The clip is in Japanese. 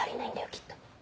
きっと。